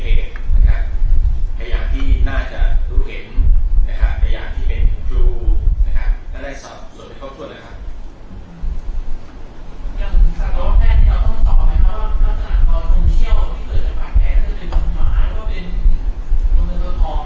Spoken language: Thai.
อ๋อก็คงไม่ก็คงจะวิทยุเวณกันดีสุดนะครับเพราะว่าในการรู้สึกบาดแพ้เนี่ยนะครับ